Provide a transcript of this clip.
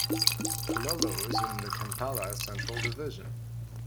Kololo is in the Kampala Central Division.